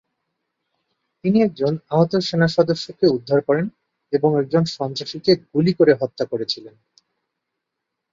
তিনি একজন আহত সেনা সদস্যকে উদ্ধার করেন এবং একজন সন্ত্রাসীকে গুলি করে হত্যা করেছিলেন।